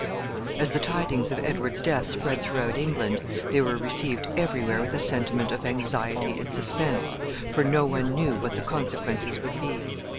As the tidings of Edward's death spread throughout England, they were received every where with a sentiment of anxiety and suspense, for no one knew what the consequences would be.